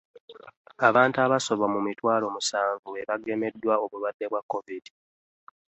Abantu abasoba mu mitwalo musanvu be bagemeddwa obulwadde bwa Covid